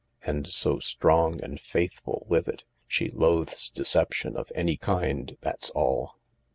And so strong and faithful with it. She loathes deception of any kind, that's all.